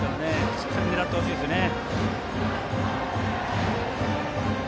しっかり狙ってほしいですね。